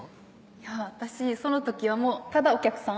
いや私その時はただお客さん